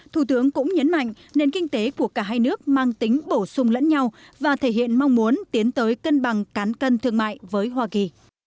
thủ tướng cũng nhấn mạnh nền kinh tế của cả hai nước mang tính bổ sung lẫn nhau và thể hiện mong muốn tiến tới cân bằng cán cân thương mại với hoa kỳ